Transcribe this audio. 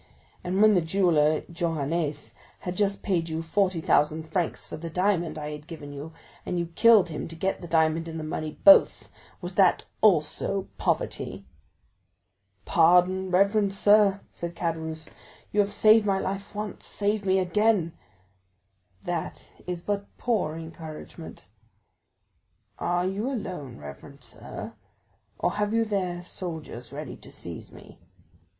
And when the jeweller Johannes had just paid you 45,000 francs for the diamond I had given you, and you killed him to get the diamond and the money both, was that also poverty?" "Pardon, reverend sir," said Caderousse; "you have saved my life once, save me again!" "That is but poor encouragement." "Are you alone, reverend sir, or have you there soldiers ready to seize me?"